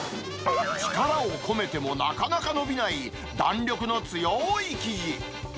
力を込めてもなかなか伸びない弾力の強ーい生地。